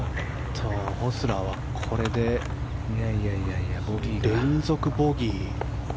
ホスラーはこれで連続ボギー。